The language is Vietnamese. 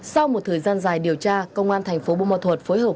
sau một thời gian dài điều tra công an thành phố bô ma thuật phối hợp